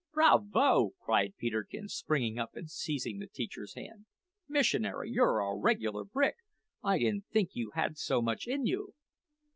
"Bravo!" cried Peterkin, springing up and seizing the teacher's hand. "Missionary, you're a regular brick! I didn't think you had so much in you!"